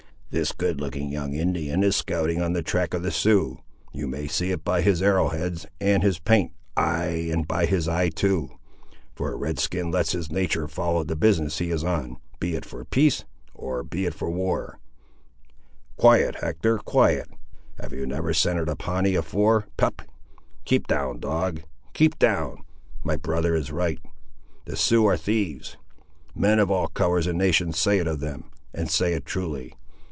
"This good looking young Indian is scouting on the track of the Siouxes—you may see it by his arrow heads, and his paint; ay, and by his eye, too; for a Red skin lets his natur' follow the business he is on, be it for peace, or be it for war,—quiet, Hector, quiet. Have you never scented a Pawnee afore, pup?—keep down, dog—keep down—my brother is right. The Siouxes are thieves. Men of all colours and nations say it of them, and say it truly.